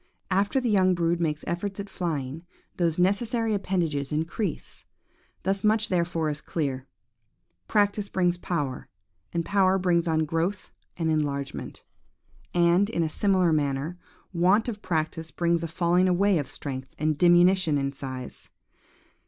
After the young brood make efforts at flying, those necessary appendages increase. Thus much therefore is clear. Practice brings power, and power brings on growth and enlargement. And, in a similar manner, want of practice brings a falling away of strength and diminution in size.